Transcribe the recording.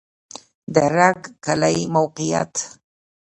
د رګ کلی موقعیت